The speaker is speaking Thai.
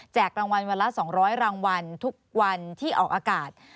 รางวัลวันละ๒๐๐รางวัลทุกวันที่ออกอากาศ